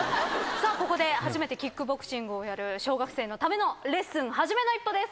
さあここで初めてキックボクシングをやる小学生のためのレッスンはじめの一歩です。